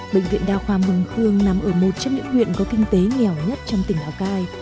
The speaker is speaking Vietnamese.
bệnh viện đa khoa mường khương nằm ở một trong những huyện có kinh tế nghèo nhất trong tỉnh lào cai